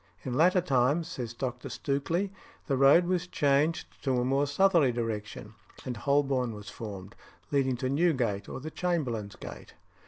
In latter times, says Dr. Stukeley, the road was changed to a more southerly direction, and Holborn was formed, leading to Newgate or the Chamberlain's Gate.